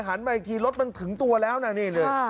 มาอีกทีรถมันถึงตัวแล้วนะนี่เลย